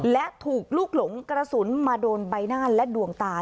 และถูกลูกหลงกระสุนมาโดนใบหน้าและดวงตา